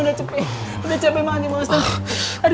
udah capek udah capek banget nih ustadz